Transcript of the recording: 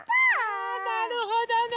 あなるほどね。